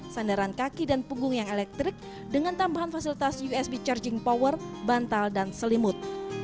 sandaran kaki dan punggung yang elektrik dengan tambahan fasilitas usb charging power bantal dan selimut